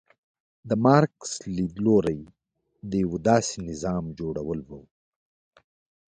د مارکس لیدلوری د یو داسې نظام جوړول و.